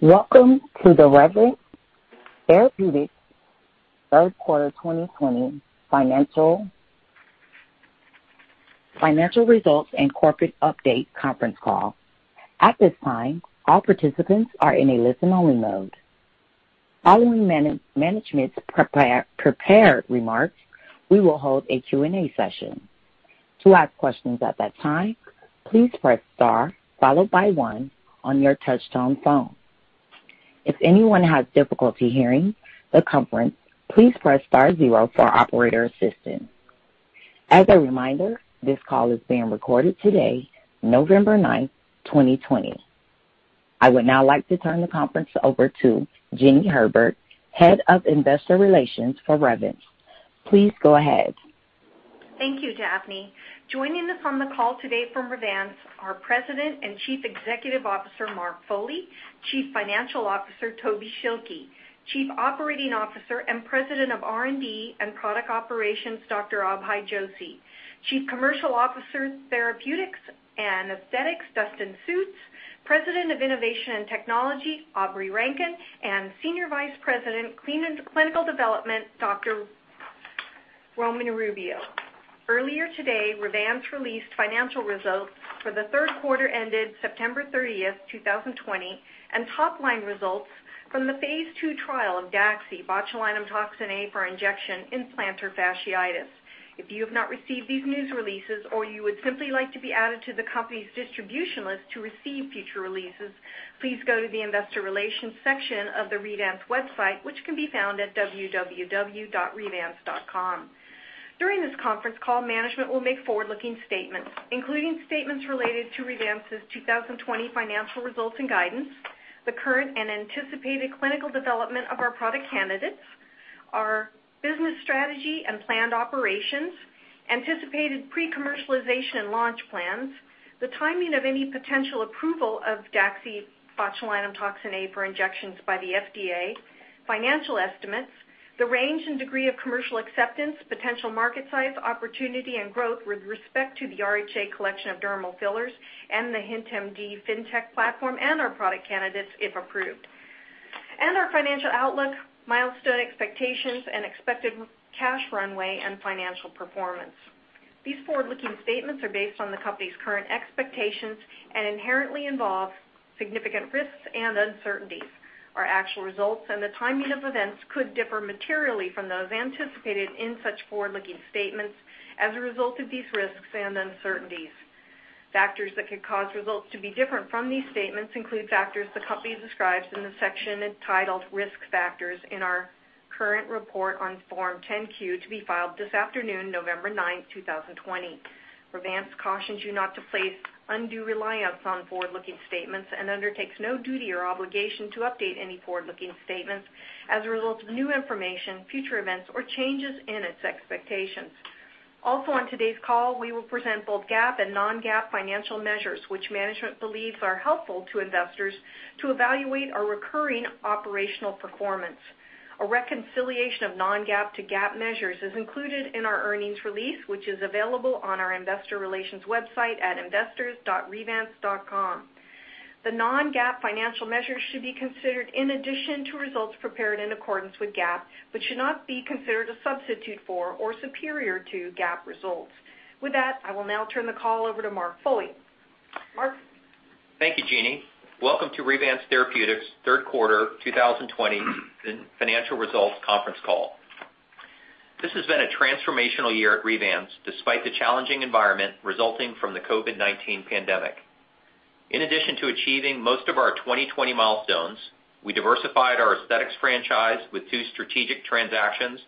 Welcome to the Revance Therapeutics third quarter 2020 financial results and corporate update conference call. At this time, all participants are in a listen-only mode. Following management's prepared remarks, we will hold a Q&A session. To ask questions at that time, please press star followed by one on your touch-tone phone. If anyone has difficulty hearing the conference, please press star zero for operator assistance. As a reminder, this call is being recorded today, November 9th, 2020. I would now like to turn the conference over to Jeanie Herbert, Head of Investor Relations for Revance. Please go ahead. Thank you, Daphne. Joining us on the call today from Revance are President and Chief Executive Officer, Mark Foley, Chief Financial Officer, Toby Schilke, Chief Operating Officer and President of R&D and Product Operations, Dr. Abhay Joshi, Chief Commercial Officer, Therapeutics and Aesthetics, Dustin Sjuts, President of Innovation and Technology, Aubrey Rankin, and Senior Vice President, Clinical Development, Dr. Roman Rubio. Earlier today, Revance released financial results for the third quarter ended September 30, 2020, and top-line results from the phase II trial of daxibotulinumtoxinA for injection in plantar fasciitis. If you have not received these news releases or you would simply like to be added to the company's distribution list to receive future releases, please go to the Investor Relations section of the Revance website, which can be found at www.revance.com. During this conference call, management will make forward-looking statements, including statements related to Revance's 2020 financial results and guidance, the current and anticipated clinical development of our product candidates, our business strategy and planned operations, anticipated pre-commercialization and launch plans, the timing of any potential approval of daxibotulinumtoxinA for injections by the FDA, financial estimates, the range and degree of commercial acceptance, potential market size, opportunity, and growth with respect to the RHA Collection of dermal fillers and the HintMD fintech platform and our product candidates, if approved. Our financial outlook, milestone expectations, and expected cash runway and financial performance. These forward-looking statements are based on the company's current expectations and inherently involve significant risks and uncertainties. Our actual results and the timing of events could differ materially from those anticipated in such forward-looking statements as a result of these risks and uncertainties. Factors that could cause results to be different from these statements include factors the company describes in the section entitled Risk Factors in our current report on Form 10-Q to be filed this afternoon, November 9th, 2020. Revance cautions you not to place undue reliance on forward-looking statements and undertakes no duty or obligation to update any forward-looking statements as a result of new information, future events, or changes in its expectations. Also, on today's call, we will present both GAAP and non-GAAP financial measures, which management believes are helpful to investors to evaluate our recurring operational performance. A reconciliation of non-GAAP to GAAP measures is included in our earnings release, which is available on our Investor Relations website at investors.revance.com. The non-GAAP financial measures should be considered in addition to results prepared in accordance with GAAP, but should not be considered a substitute for or superior to GAAP results. With that, I will now turn the call over to Mark Foley. Mark? Thank you, Jeanie. Welcome to Revance Therapeutics' third quarter 2020 financial results conference call. This has been a transformational year at Revance, despite the challenging environment resulting from the COVID-19 pandemic. In addition to achieving most of our 2020 milestones, we diversified our aesthetics franchise with two strategic transactions,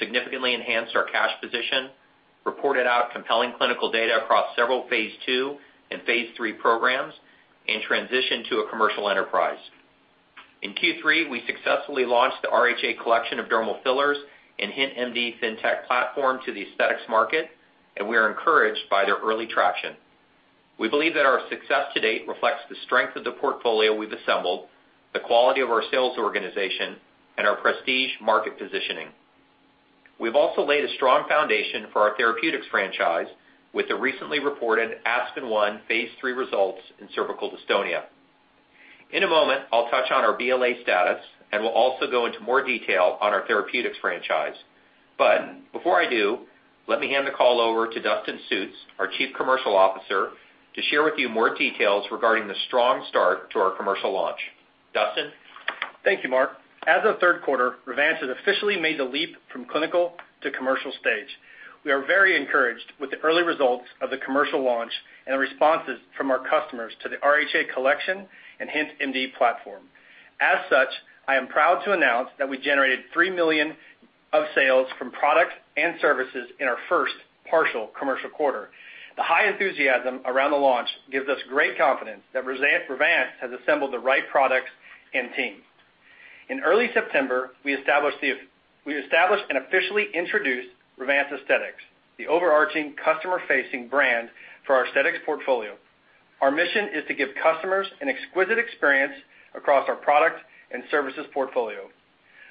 significantly enhanced our cash position, reported out compelling clinical data across several phase II and phase III programs, and transitioned to a commercial enterprise. In Q3, we successfully launched the RHA Collection of dermal fillers and HintMD fintech platform to the aesthetics market, we are encouraged by their early traction. We believe that our success to date reflects the strength of the portfolio we've assembled, the quality of our sales organization, and our prestige market positioning. We've also laid a strong foundation for our therapeutics franchise with the recently reported ASPEN-1 phase III results in cervical dystonia. In a moment, I'll touch on our BLA status, and we'll also go into more detail on our therapeutics franchise. Before I do, let me hand the call over to Dustin Sjuts, our Chief Commercial Officer, to share with you more details regarding the strong start to our commercial launch. Dustin? Thank you, Mark. As of the third quarter, Revance has officially made the leap from clinical to commercial stage. We are very encouraged with the early results of the commercial launch and the responses from our customers to the RHA Collection and HintMD platform. As such, I am proud to announce that we generated $3 million of sales from products and services in our first partial commercial quarter. The high enthusiasm around the launch gives us great confidence that Revance has assembled the right products and teams. In early September, we established and officially introduced Revance Aesthetics, the overarching customer-facing brand for our aesthetics portfolio. Our mission is to give customers an exquisite experience across our product and services portfolio.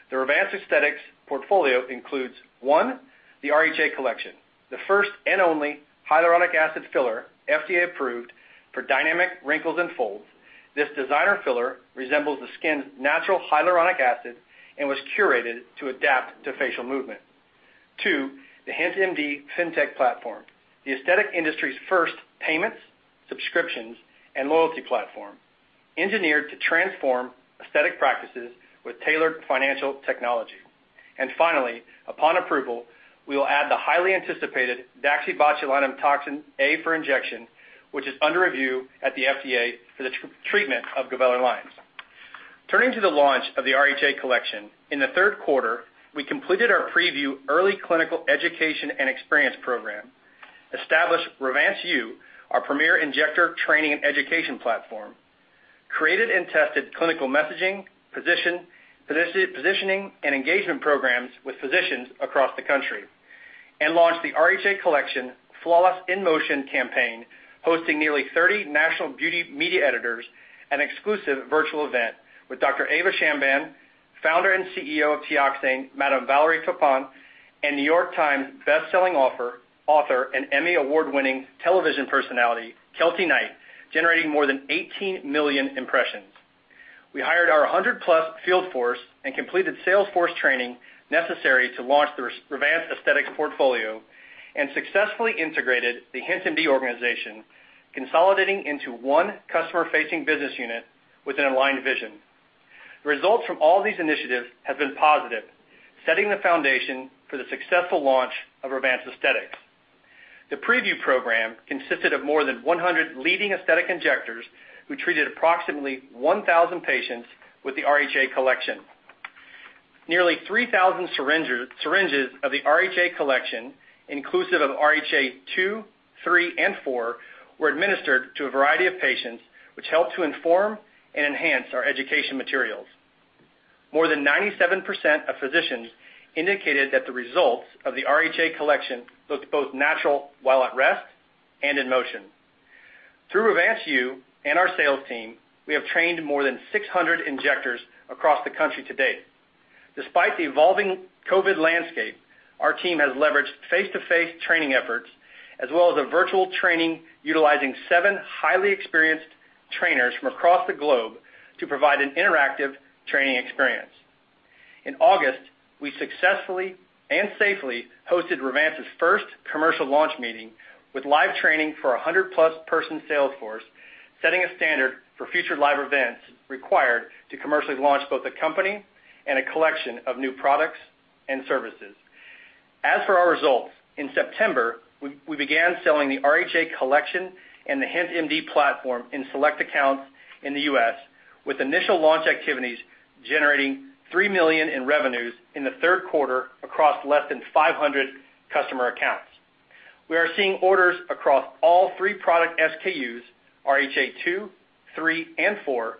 The Revance Aesthetics portfolio includes, one, the RHA Collection, the first and only hyaluronic acid filler, FDA approved for dynamic wrinkles and folds. This designer filler resembles the skin's natural hyaluronic acid and was curated to adapt to facial movement. Two, the HintMD fintech platform, the aesthetic industry's first payments, subscriptions, and loyalty platform, engineered to transform aesthetic practices with tailored financial technology. Finally, upon approval, we will add the highly anticipated daxibotulinumtoxinA for injection, which is under review at the FDA for the treatment of glabellar lines. Turning to the launch of the RHA Collection, in the third quarter, we completed our preview early clinical education and experience program, established RevanceU, our premier injector training and education platform, created and tested clinical messaging, positioning, and engagement programs with physicians across the country, and launched the RHA Collection Flawless in Motion campaign, hosting nearly 30 national beauty media editors, an exclusive virtual event with Dr. Ava Shamban, Founder and CEO of Teoxane, Madame Valérie Taupin, and The New York Times best-selling author and Emmy Award-winning television personality, Keltie Knight, generating more than 18 million impressions. We hired our 100+ field force and completed sales force training necessary to launch the Revance Aesthetics portfolio and successfully integrated the HintMD organization, consolidating into one customer-facing business unit with an aligned vision. The results from all these initiatives have been positive, setting the foundation for the successful launch of Revance Aesthetics. The preview program consisted of more than 100 leading aesthetic injectors, who treated approximately 1,000 patients with the RHA Collection. Nearly 3,000 syringes of the RHA Collection, inclusive of RHA 2, 3, and 4, were administered to a variety of patients, which helped to inform and enhance our education materials. More than 97% of physicians indicated that the results of the RHA Collection looked both natural while at rest and in motion. Through RevanceU and our sales team, we have trained more than 600 injectors across the country to date. Despite the evolving COVID landscape, our team has leveraged face-to-face training efforts, as well as a virtual training utilizing seven highly experienced trainers from across the globe to provide an interactive training experience. In August, we successfully and safely hosted Revance's first commercial launch meeting with live training for 100+ person sales force, setting a standard for future live events required to commercially launch both a company and a collection of new products and services. As for our results, in September, we began selling the RHA Collection and the HintMD platform in select accounts in the U.S., with initial launch activities generating $3 million in revenues in the third quarter across less than 500 customer accounts. We are seeing orders across all three product SKUs, RHA 2, 3, and 4,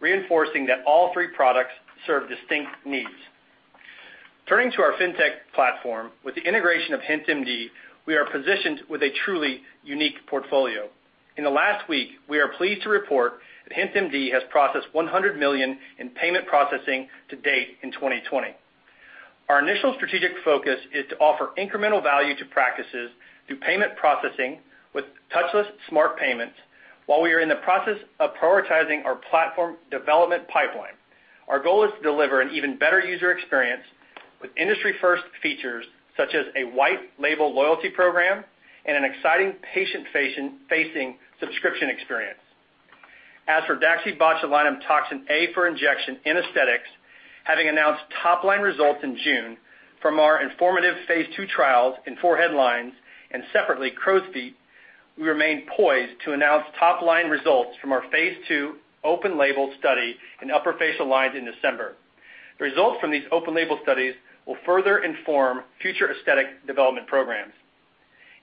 reinforcing that all three products serve distinct needs. Turning to our fintech platform, with the integration of HintMD, we are positioned with a truly unique portfolio. In the last week, we are pleased to report that HintMD has processed $100 million in payment processing to date in 2020. Our initial strategic focus is to offer incremental value to practices through payment processing with touchless smart payments while we are in the process of prioritizing our platform development pipeline. Our goal is to deliver an even better user experience with industry first features, such as a white label loyalty program and an exciting patient-facing subscription experience. As for daxibotulinumtoxinA for injection in aesthetics, having announced top-line results in June from our informative phase II trials in forehead lines and separately crow's feet, we remain poised to announce top-line results from our phase II open label study in upper facial lines in December. The results from these open label studies will further inform future aesthetic development programs.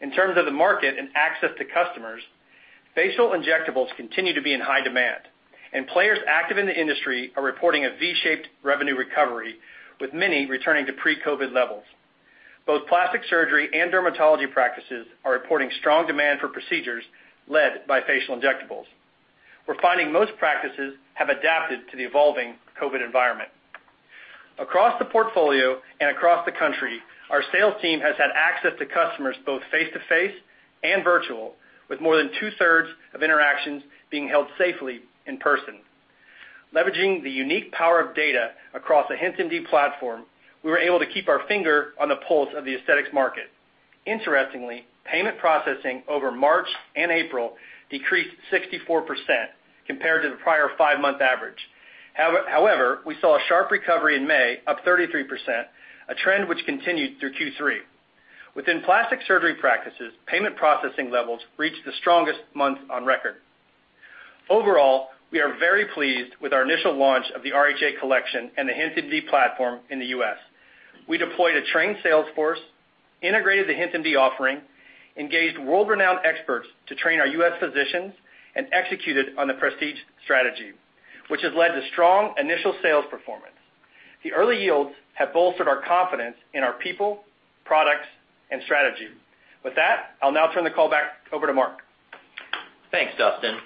In terms of the market and access to customers, facial injectables continue to be in high demand, and players active in the industry are reporting a V-shaped revenue recovery, with many returning to pre-COVID levels. Both plastic surgery and dermatology practices are reporting strong demand for procedures led by facial injectables. We're finding most practices have adapted to the evolving COVID environment. Across the portfolio and across the country, our sales team has had access to customers both face-to-face and virtual, with more than 2/3 of interactions being held safely in person. Leveraging the unique power of data across the HintMD platform, we were able to keep our finger on the pulse of the aesthetics market. Interestingly, payment processing over March and April decreased 64% compared to the prior five-month average. We saw a sharp recovery in May, up 33%, a trend which continued through Q3. Within plastic surgery practices, payment processing levels reached the strongest month on record. Overall, we are very pleased with our initial launch of the RHA Collection and the HintMD platform in the U.S.. We deployed a trained sales force, integrated the HintMD offering, engaged world-renowned experts to train our U.S. physicians, and executed on the prestige strategy, which has led to strong initial sales performance. The early yields have bolstered our confidence in our people, products, and strategy. With that, I'll now turn the call back over to Mark. Thanks, Dustin.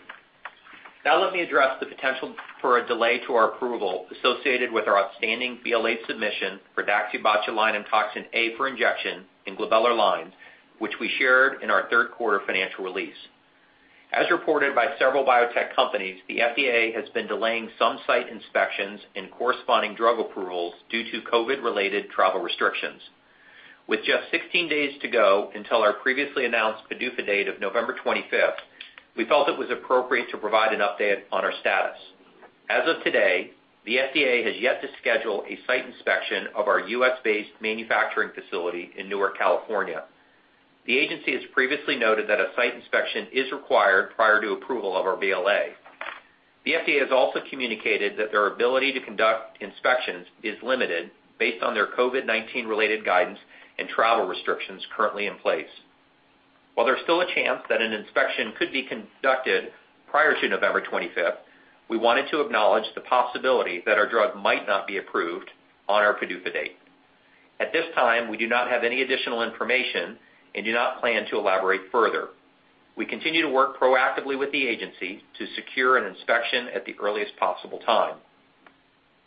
Let me address the potential for a delay to our approval associated with our outstanding BLA submission for daxibotulinumtoxinA for injection in glabellar lines, which we shared in our third quarter financial release. As reported by several biotech companies, the FDA has been delaying some site inspections and corresponding drug approvals due to COVID related travel restrictions. With just 16 days to go until our previously announced PDUFA date of November 25th, we felt it was appropriate to provide an update on our status. As of today, the FDA has yet to schedule a site inspection of our U.S.-based manufacturing facility in Newark, California. The agency has previously noted that a site inspection is required prior to approval of our BLA. The FDA has also communicated that their ability to conduct inspections is limited based on their COVID-19 related guidance and travel restrictions currently in place. While there's still a chance that an inspection could be conducted prior to November 25th, we wanted to acknowledge the possibility that our drug might not be approved on our PDUFA date. At this time, we do not have any additional information and do not plan to elaborate further. We continue to work proactively with the agency to secure an inspection at the earliest possible time.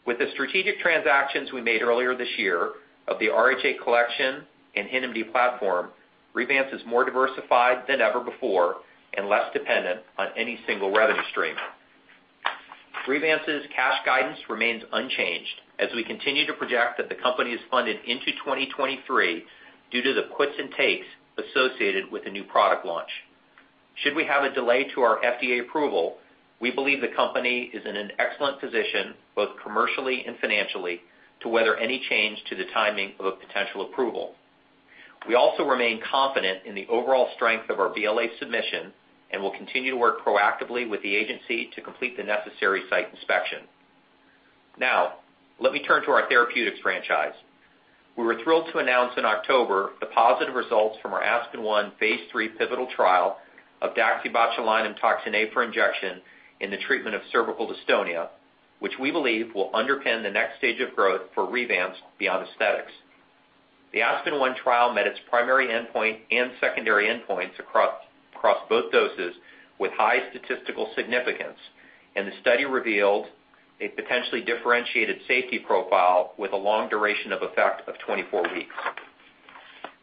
With the strategic transactions we made earlier this year of the RHA Collection and HintMD platform, Revance is more diversified than ever before and less dependent on any single revenue stream. Revance's cash guidance remains unchanged as we continue to project that the company is funded into 2023 due to the puts and takes associated with the new product launch. Should we have a delay to our FDA approval, we believe the company is in an excellent position, both commercially and financially, to weather any change to the timing of a potential approval. We also remain confident in the overall strength of our BLA submission and will continue to work proactively with the agency to complete the necessary site inspection. Let me turn to our therapeutics franchise. We were thrilled to announce in October the positive results from our ASPEN-1 phase III pivotal trial of daxibotulinumtoxinA for injection in the treatment of cervical dystonia, which we believe will underpin the next stage of growth for Revance beyond aesthetics. The ASPEN-1 trial met its primary endpoint and secondary endpoints across both doses with high statistical significance, and the study revealed a potentially differentiated safety profile with a long duration of effect of 24 weeks.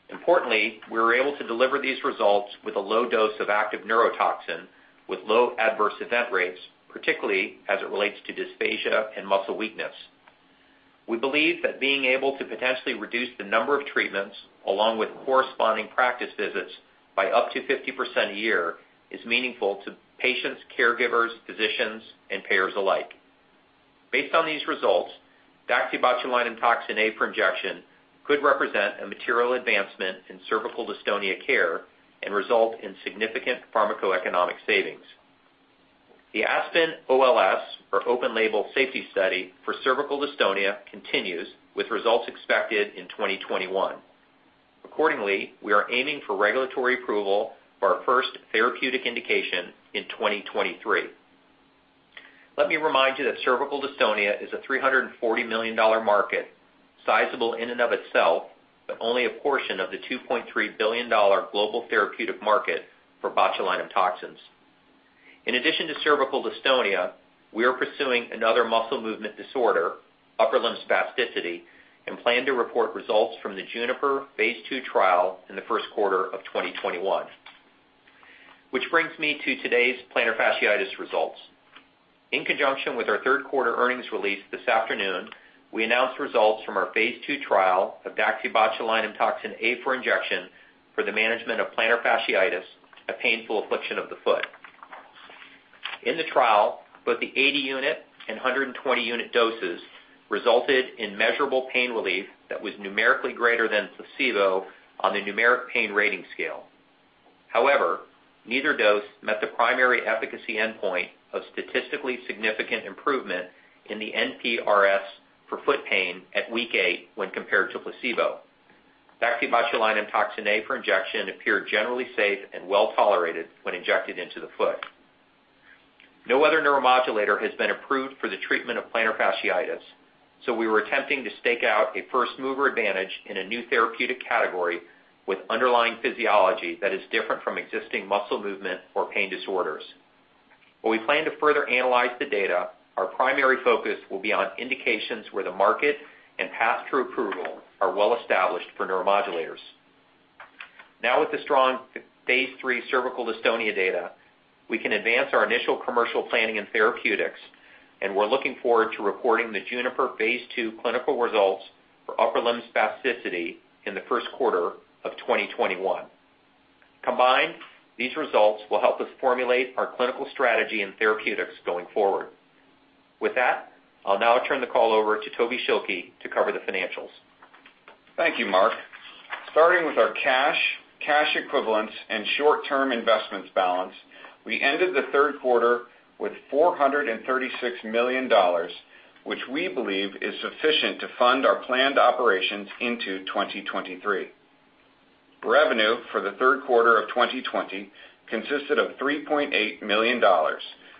Importantly, we were able to deliver these results with a low dose of active neurotoxin with low adverse event rates, particularly as it relates to dysphagia and muscle weakness. We believe that being able to potentially reduce the number of treatments, along with corresponding practice visits by up to 50% a year, is meaningful to patients, caregivers, physicians, and payers alike. Based on these results, daxibotulinumtoxinA for injection could represent a material advancement in cervical dystonia care and result in significant pharmacoeconomic savings. The ASPEN-OLS, or open label safety study, for cervical dystonia continues with results expected in 2021. Accordingly, we are aiming for regulatory approval for our first therapeutic indication in 2023. Let me remind you that cervical dystonia is a $340 million market, sizable in and of itself, but only a portion of the $2.3 billion global therapeutic market for botulinum toxins. In addition to cervical dystonia, we are pursuing another muscle movement disorder, upper limb spasticity, and plan to report results from the JUNIPER phase II trial in the first quarter of 2021. Which brings me to today's plantar fasciitis results. In conjunction with our third quarter earnings release this afternoon, we announced results from our phase II trial of daxibotulinumtoxinA for injection for the management of plantar fasciitis, a painful affliction of the foot. In the trial, both the 80 unit and 120 unit doses resulted in measurable pain relief that was numerically greater than placebo on the Numeric Pain Rating Scale. Neither dose met the primary efficacy endpoint of statistically significant improvement in the NPRS for foot pain at week eight when compared to placebo. DaxibotulinumtoxinA for injection appeared generally safe and well-tolerated when injected into the foot. No other neuromodulator has been approved for the treatment of plantar fasciitis, we were attempting to stake out a first-mover advantage in a new therapeutic category with underlying physiology that is different from existing muscle movement or pain disorders. While we plan to further analyze the data, our primary focus will be on indications where the market and path to approval are well established for neuromodulators. With the strong phase III cervical dystonia data, we can advance our initial commercial planning and therapeutics, we're looking forward to reporting the JUNIPER phase II clinical results for upper limb spasticity in the first quarter of 2021. Combined, these results will help us formulate our clinical strategy in therapeutics going forward. With that, I'll now turn the call over to Toby Schilke to cover the financials. Thank you, Mark. Starting with our cash equivalents, and short-term investments balance, we ended the third quarter with $436 million, which we believe is sufficient to fund our planned operations into 2023. Revenue for the third quarter of 2020 consisted of $3.8 million,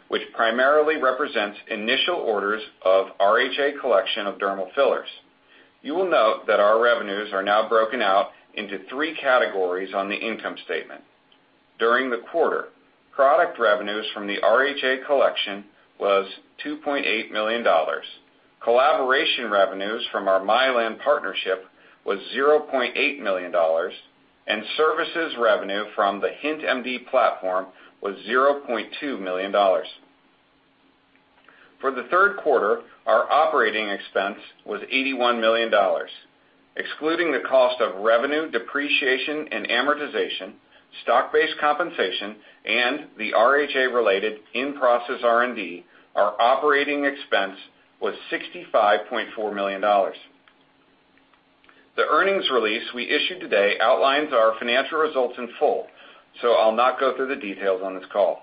which primarily represents initial orders of RHA Collection of dermal fillers. You will note that our revenues are now broken out into three categories on the income statement. During the quarter, product revenues from the RHA Collection was $2.8 million. Collaboration revenues from our Mylan partnership was $0.8 million, and services revenue from the HintMD platform was $0.2 million. For the third quarter, our operating expense was $81 million. Excluding the cost of revenue, depreciation and amortization, stock-based compensation, and the RHA-related in-process R&D, our operating expense was $65.4 million. The earnings release we issued today outlines our financial results in full, so I'll not go through the details on this call.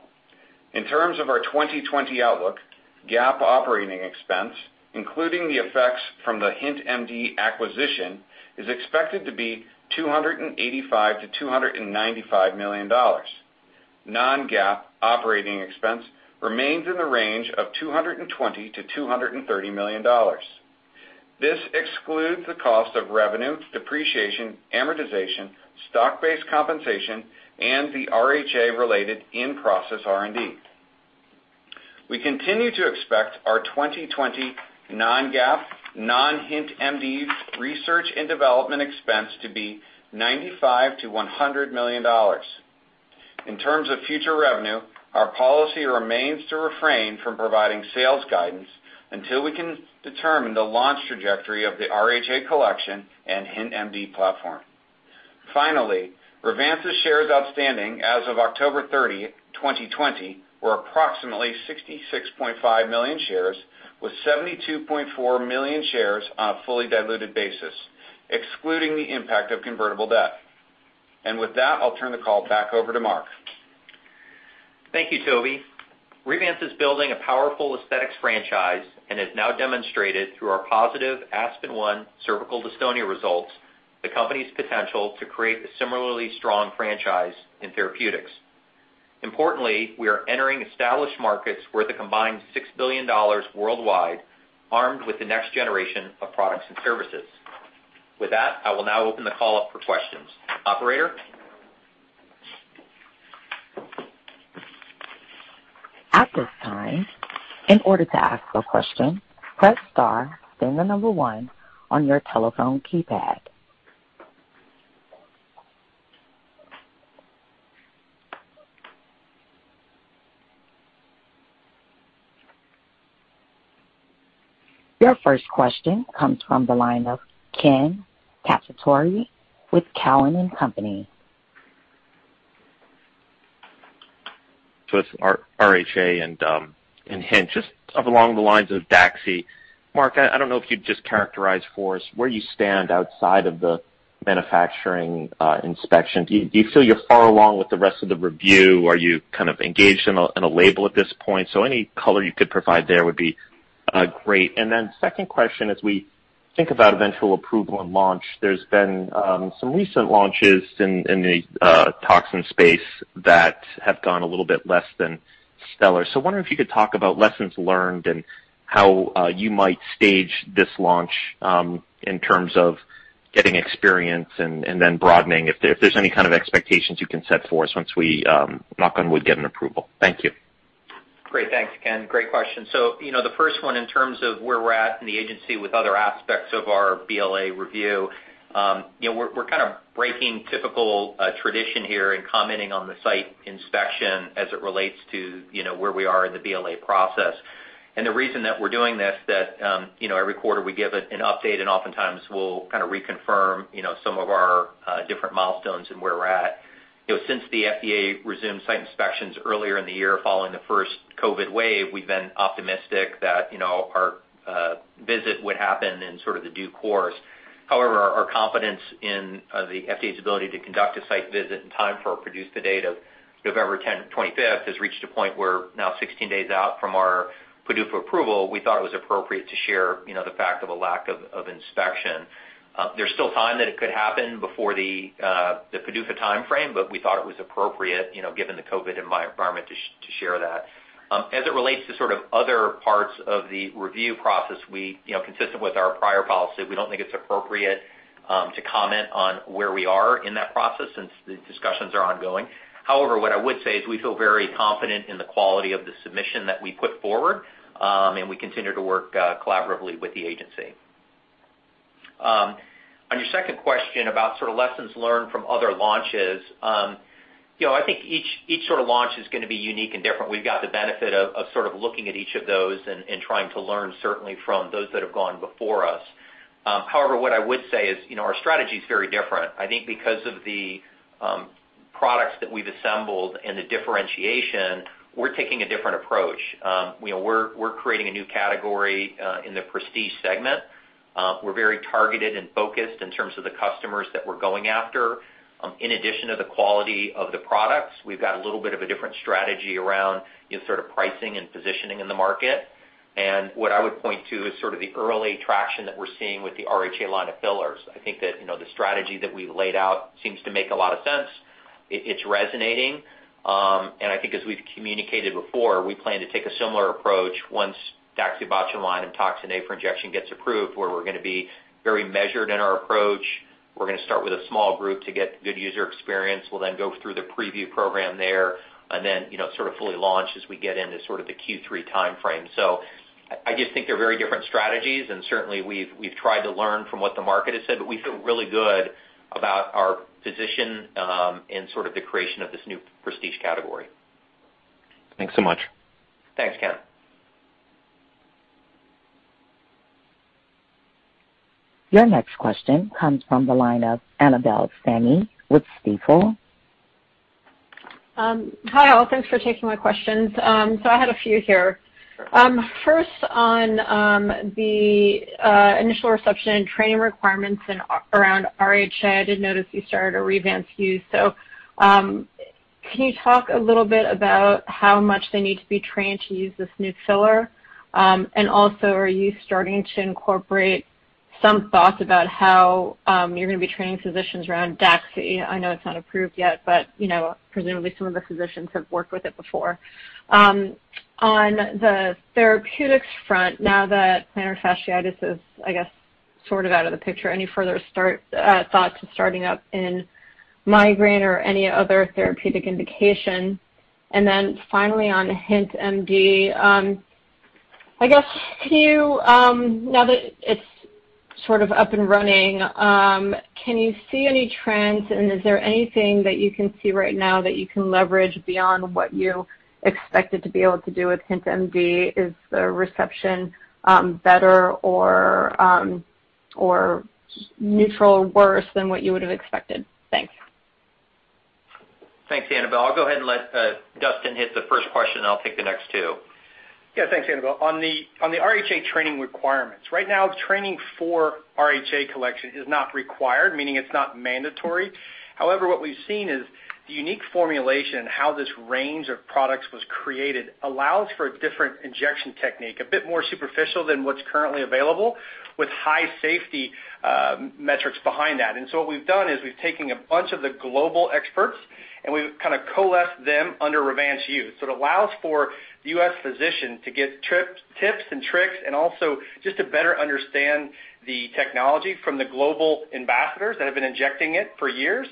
In terms of our 2020 outlook, GAAP operating expense, including the effects from the HintMD acquisition, is expected to be $285 million-$295 million. Non-GAAP operating expense remains in the range of $220 million-$230 million. This excludes the cost of revenue, depreciation, amortization, stock-based compensation, and the RHA-related in-process R&D. We continue to expect our 2020 non-GAAP, non-HintMD research and development expense to be $95 million-$100 million. In terms of future revenue, our policy remains to refrain from providing sales guidance until we can determine the launch trajectory of the RHA Collection and HintMD platform. Finally, Revance's shares outstanding as of October 30, 2020, were approximately 66.5 million shares, with 72.4 million shares on a fully diluted basis, excluding the impact of convertible debt. With that, I'll turn the call back over to Mark. Thank you, Toby. Revance is building a powerful aesthetics franchise and has now demonstrated through our positive ASPEN-1 cervical dystonia results, the company's potential to create a similarly strong franchise in therapeutics. Importantly, we are entering established markets worth a combined $6 billion worldwide, armed with the next generation of products and services. With that, I will now open the call up for questions. Operator? Your first question comes from the line of Ken Cacciatore with Cowen and Company. It's RHA and Hint. Just along the lines of DAXI, Mark, I don't know if you'd just characterize for us where you stand outside of the manufacturing inspection. Do you feel you're far along with the rest of the review? Are you kind of engaged in a label at this point? Any color you could provide there would be great. Second question, as we think about eventual approval and launch, there's been some recent launches in the toxin space that have gone a little bit less than stellar. Wondering if you could talk about lessons learned and how you might stage this launch, in terms of getting experience and then broadening. If there's any kind of expectations you can set for us once we, knock on wood, get an approval. Thank you. Great, thanks, Ken. Great question. The first one, in terms of where we're at in the agency with other aspects of our BLA review. We're kind of breaking typical tradition here and commenting on the site inspection as it relates to where we are in the BLA process. The reason that we're doing this, that every quarter we give an update, and oftentimes we'll kind of reconfirm some of our different milestones and where we're at. Since the FDA resumed site inspections earlier in the year following the first COVID wave, we've been optimistic that our visit would happen in sort of the due course. However, our confidence in the FDA's ability to conduct a site visit in time for our PDUFA date of November 25th has reached a point where now 16 days out from our PDUFA approval, we thought it was appropriate to share the fact of a lack of inspection. There's still time that it could happen before the PDUFA timeframe, we thought it was appropriate, given the COVID environment to share that. As it relates to sort of other parts of the review process, consistent with our prior policy, we don't think it's appropriate to comment on where we are in that process since the discussions are ongoing. What I would say is we feel very confident in the quality of the submission that we put forward, and we continue to work collaboratively with the agency. On your second question about sort of lessons learned from other launches. I think each sort of launch is going to be unique and different. We've got the benefit of sort of looking at each of those and trying to learn certainly from those that have gone before us. However, what I would say is our strategy is very different. I think because of the products that we've assembled and the differentiation, we're taking a different approach. We're creating a new category in the prestige segment. We're very targeted and focused in terms of the customers that we're going after. In addition to the quality of the products, we've got a little bit of a different strategy around sort of pricing and positioning in the market. What I would point to is sort of the early traction that we're seeing with the RHA line of fillers. I think that the strategy that we laid out seems to make a lot of sense. It's resonating. I think as we've communicated before, we plan to take a similar approach once daxibotulinumtoxinA for injection gets approved, where we're going to be very measured in our approach. We're going to start with a small group to get good user experience. We'll then go through the preview program there, and then sort of fully launch as we get into sort of the Q3 timeframe. I just think they're very different strategies, and certainly we've tried to learn from what the market has said, but we feel really good about our position in sort of the creation of this new prestige category. Thanks so much. Thanks, Ken. Your next question comes from the line of Annabel Samimy with Stifel. Hi, all. Thanks for taking my questions. I had a few here. First on the initial reception and training requirements around RHA. I did notice you started a RevanceU. Can you talk a little bit about how much they need to be trained to use this new filler? Are you starting to incorporate some thoughts about how you're going to be training physicians around DAXI? I know it's not approved yet, but presumably some of the physicians have worked with it before. On the therapeutics front, now that plantar fasciitis is, I guess, sort of out of the picture, any further thoughts of starting up in migraine or any other therapeutic indication? Finally on HintMD, I guess now that it's sort of up and running, can you see any trends and is there anything that you can see right now that you can leverage beyond what you expected to be able to do with HintMD? Is the reception better or neutral or worse than what you would have expected? Thanks. Thanks, Annabel. I'll go ahead and let Dustin hit the first question, and I'll take the next two. Yeah, thanks, Annabel. On the RHA training requirements. Right now, training for RHA Collection is not required, meaning it's not mandatory. However, what we've seen is the unique formulation and how this range of products was created allows for a different injection technique, a bit more superficial than what's currently available with high safety metrics behind that. What we've done is we've taken a bunch of the global experts, and we've kind of coalesced them under RevanceU. It allows for the U.S. physician to get tips and tricks and also just to better understand the technology from the global ambassadors that have been injecting it for years.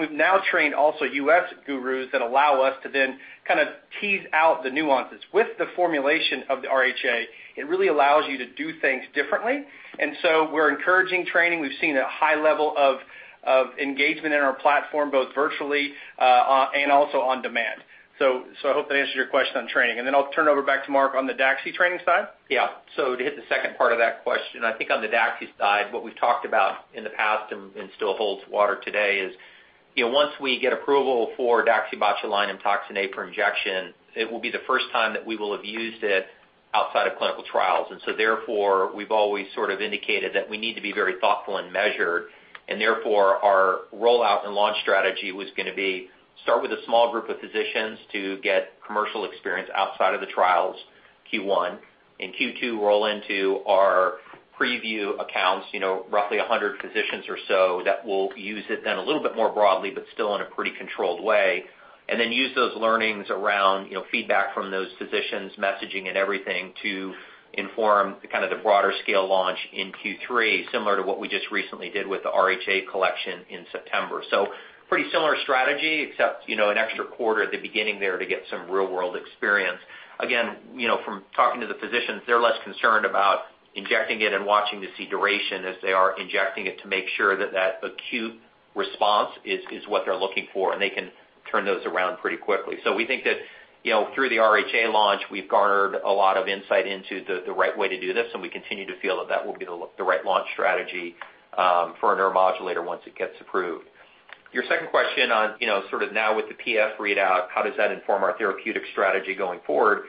We've now trained also U.S. gurus that allow us to then kind of tease out the nuances. With the formulation of the RHA, it really allows you to do things differently. We're encouraging training. We've seen a high level of engagement in our platform, both virtually and also on demand. I hope that answers your question on training. Then I'll turn it over back to Mark on the DAXI training side. Yeah. To hit the second part of that question, I think on the DAXI side, what we've talked about in the past and still holds water today is once we get approval for daxibotulinumtoxinA for injection, it will be the first time that we will have used it outside of clinical trials. Therefore, we've always sort of indicated that we need to be very thoughtful and measured. Therefore, our rollout and launch strategy was going to be start with a small group of physicians to get commercial experience outside of the trials, Q1. In Q2, roll into our preview accounts, roughly 100 physicians or so that will use it then a little bit more broadly, but still in a pretty controlled way. Use those learnings around feedback from those physicians, messaging and everything to inform kind of the broader scale launch in Q3, similar to what we just recently did with the RHA Collection in September. Pretty similar strategy except an extra quarter at the beginning there to get some real-world experience. Again, from talking to the physicians, they're less concerned about injecting it and watching to see duration as they are injecting it to make sure that that acute response is what they're looking for, and they can turn those around pretty quickly. We think that through the RHA launch, we've garnered a lot of insight into the right way to do this, and we continue to feel that that will be the right launch strategy for a neuromodulator once it gets approved. Your second question on sort of now with the PF readout, how does that inform our therapeutic strategy going forward?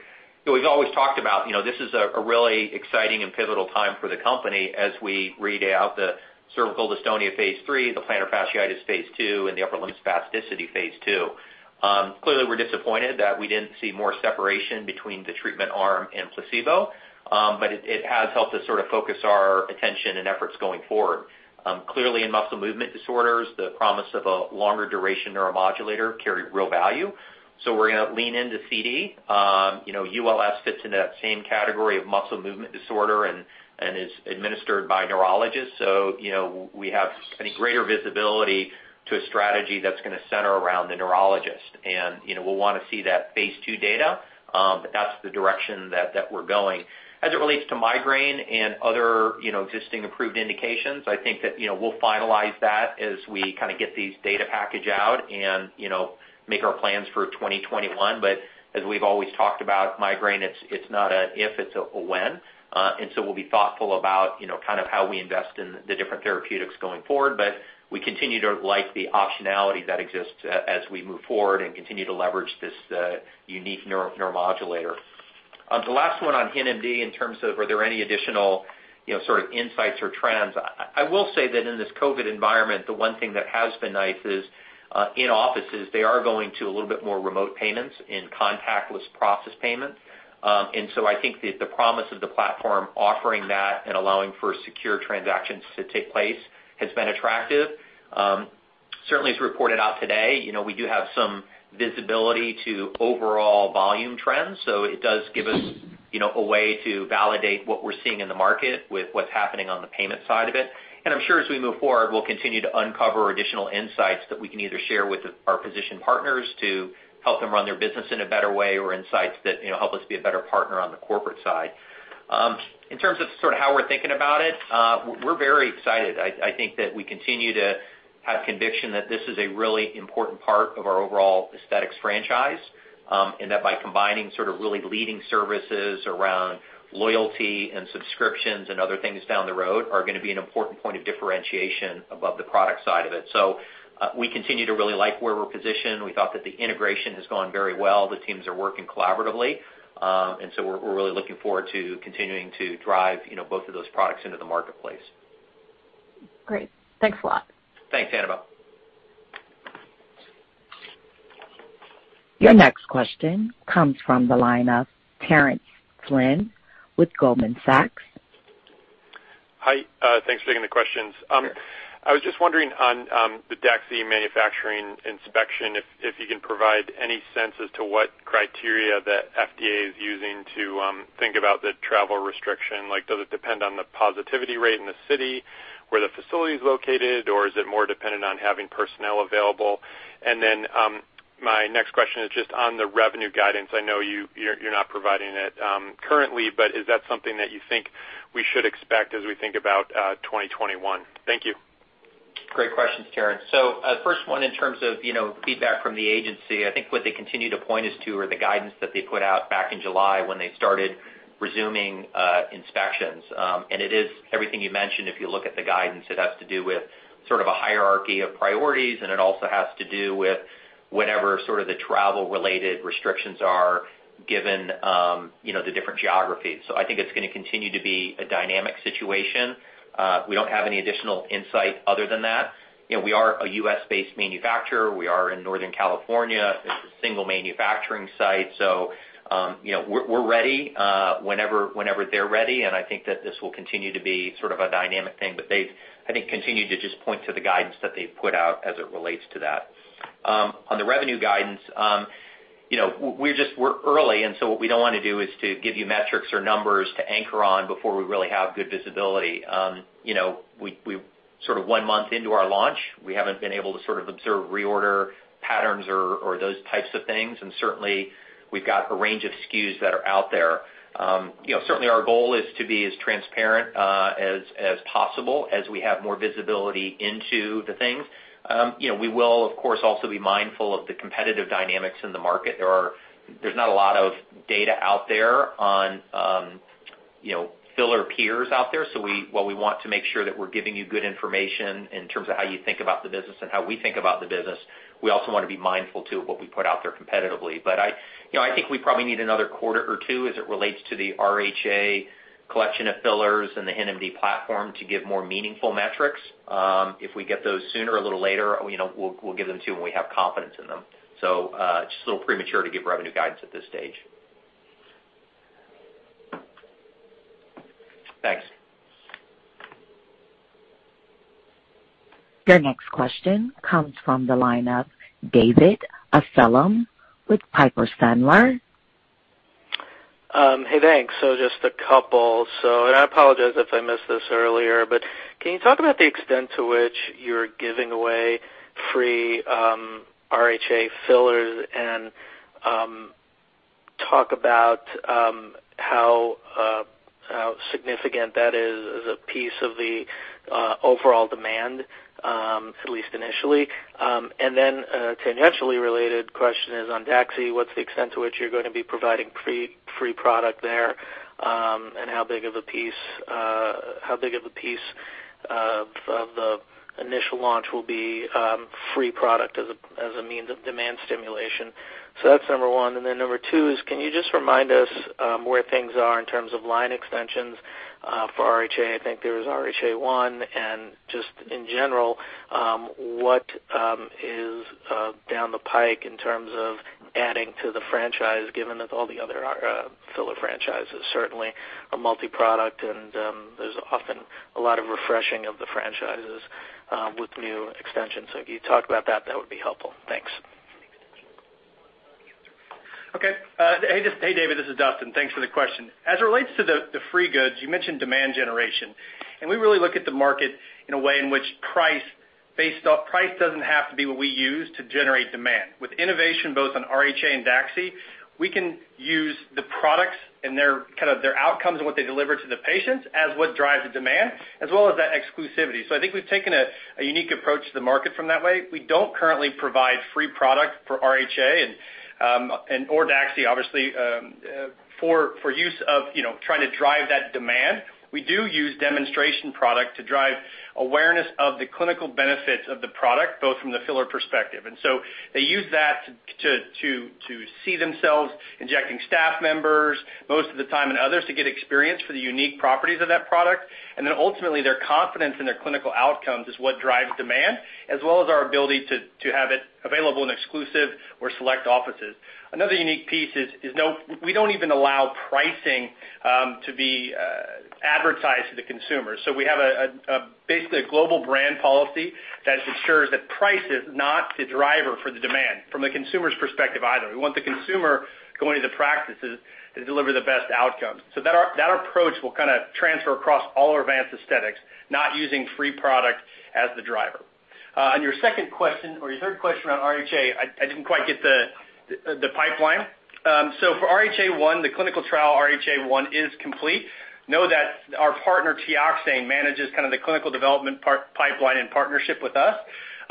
We've always talked about this is a really exciting and pivotal time for the company as we read out the cervical dystonia phase III, the plantar fasciitis phase II, and the upper limb spasticity phase II. Clearly, we're disappointed that we didn't see more separation between the treatment arm and placebo, but it has helped us sort of focus our attention and efforts going forward. Clearly in muscle movement disorders, the promise of a longer duration neuromodulator carried real value. We're going to lean into CD. ULS fits into that same category of muscle movement disorder and is administered by neurologists. We have, I think, greater visibility to a strategy that's going to center around the neurologist. We'll want to see that phase II data, but that's the direction that we're going. As it relates to migraine and other existing approved indications, I think that we'll finalize that as we kind of get these data package out and make our plans for 2021. As we've always talked about migraine, it's not an if, it's a when. We'll be thoughtful about kind of how we invest in the different therapeutics going forward. We continue to like the optionality that exists as we move forward and continue to leverage this unique neuromodulator. The last one on HintMD in terms of are there any additional sort of insights or trends. I will say that in this COVID environment, the one thing that has been nice is in offices, they are going to a little bit more remote payments and contactless process payments. I think that the promise of the platform offering that and allowing for secure transactions to take place has been attractive. Certainly as reported out today, we do have some visibility to overall volume trends. It does give us a way to validate what we're seeing in the market with what's happening on the payment side of it. I'm sure as we move forward, we'll continue to uncover additional insights that we can either share with our physician partners to help them run their business in a better way or insights that help us be a better partner on the corporate side. In terms of how we're thinking about it, we're very excited. I think that we continue to have conviction that this is a really important part of our overall aesthetics franchise, and that by combining really leading services around loyalty and subscriptions and other things down the road are going to be an important point of differentiation above the product side of it. We continue to really like where we're positioned. We thought that the integration has gone very well. The teams are working collaboratively. We're really looking forward to continuing to drive both of those products into the marketplace. Great. Thanks a lot. Thanks, Annabel. Your next question comes from the line of Terence Flynn with Goldman Sachs. Hi, thanks for taking the questions. I was just wondering on the DAXI manufacturing inspection if you can provide any sense as to what criteria the FDA is using to think about the travel restriction. Does it depend on the positivity rate in the city where the facility is located, or is it more dependent on having personnel available? My next question is just on the revenue guidance. I know you're not providing it currently, but is that something that you think we should expect as we think about 2021? Thank you. Great questions, Terence. First one in terms of feedback from the agency, I think what they continue to point us to are the guidance that they put out back in July when they started resuming inspections. It is everything you mentioned, if you look at the guidance, it has to do with sort of a hierarchy of priorities, and it also has to do with whatever the travel-related restrictions are given the different geographies. I think it's going to continue to be a dynamic situation. We don't have any additional insight other than that. We are a U.S.-based manufacturer. We are in Northern California. It's a single manufacturing site. We're ready whenever they're ready, and I think that this will continue to be sort of a dynamic thing, but they've, I think, continued to just point to the guidance that they've put out as it relates to that. On the revenue guidance, we're early, and so what we don't want to do is to give you metrics or numbers to anchor on before we really have good visibility. We're one month into our launch. We haven't been able to observe reorder patterns or those types of things, and certainly we've got a range of SKUs that are out there. Certainly, our goal is to be as transparent as possible as we have more visibility into the things. We will, of course, also be mindful of the competitive dynamics in the market. There's not a lot of data out there on filler peers out there. While we want to make sure that we're giving you good information in terms of how you think about the business and how we think about the business, we also want to be mindful, too, of what we put out there competitively. I think we probably need another quarter or two as it relates to the RHA Collection of fillers and the HintMD platform to give more meaningful metrics. If we get those sooner, a little later, we'll give them to you when we have confidence in them. Just a little premature to give revenue guidance at this stage. Thanks. Your next question comes from the line of David Amsellem with Piper Sandler. Hey, thanks. Just a couple. I apologize if I missed this earlier, but can you talk about the extent to which you're giving away free RHA fillers and talk about how significant that is as a piece of the overall demand, at least initially? A tangentially related question is on DAXI, what's the extent to which you're going to be providing free product there? How big of a piece of the initial launch will be free product as a means of demand stimulation? That's number one. Number two is, can you just remind us where things are in terms of line extensions for RHA? I think there's RHA 1, and just in general, what is down the pike in terms of adding to the franchise, given that all the other filler franchises certainly are multi-product and there's often a lot of refreshing of the franchises with new extensions. If you could talk about that would be helpful. Thanks. Okay. Hey, David, this is Dustin. Thanks for the question. As it relates to the free goods, you mentioned demand generation. We really look at the market in a way in which price doesn't have to be what we use to generate demand. With innovation, both on RHA and DAXI, we can use the products and their outcomes and what they deliver to the patients as what drives the demand, as well as that exclusivity. I think we've taken a unique approach to the market from that way. We don't currently provide free product for RHA or DAXI, obviously, for use of trying to drive that demand. We do use demonstration product to drive awareness of the clinical benefits of the product, both from the filler perspective. They use that to see themselves injecting staff members most of the time and others to get experience for the unique properties of that product. Ultimately, their confidence in their clinical outcomes is what drives demand, as well as our ability to have it available in exclusive or select offices. Another unique piece is we don't even allow pricing to be advertised to the consumer. We have basically a global brand policy that ensures that price is not the driver for the demand from the consumer's perspective either. We want the consumer going to the practices to deliver the best outcomes. That approach will transfer across all our advanced aesthetics, not using free product as the driver. On your second question or your third question around RHA, I didn't quite get the pipeline. For RHA 1, the clinical trial RHA 1 is complete. Know that our partner, Teoxane, manages the clinical development part pipeline in partnership with us.